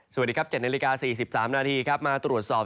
สวัสดีครับเจ็ดในลิกา๔๓นาทีมาตรวจสอบ